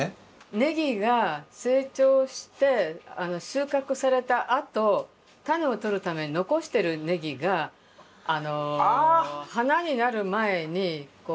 葱が成長して収穫されたあと種を取るために残してる葱が花になる前にこう坊主のような。